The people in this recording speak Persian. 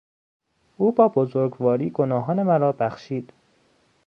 او با بزرگواری گناهان مرا بخشید.